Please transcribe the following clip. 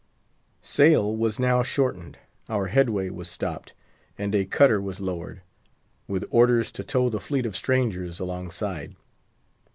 Sail was now shortened, our headway was stopped, and a cutter was lowered, with orders to tow the fleet of strangers alongside.